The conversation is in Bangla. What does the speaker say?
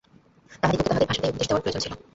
তাহাদিগকে তাহাদের ভাষাতেই উপদেশ দেওয়ার প্রয়োজন ছিল।